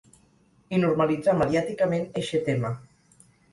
I normalitzar mediàticament eixe tema.